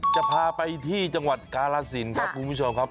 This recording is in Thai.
จะพาไปที่จังหวัดกาลสินครับคุณผู้ชมครับ